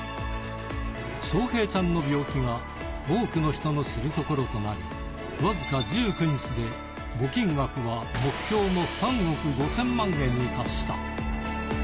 翔平ちゃんの病気が多くの人の知るところとなり、わずか１９日で、募金額は目標の３億５０００万円に達した。